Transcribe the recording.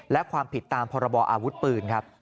และความผิดตามพรบออาวุธปืนครับ